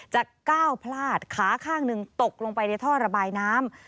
จะก้าวพลาดขาข้างหนึ่งตกลงไปในท่อระบายน้ำ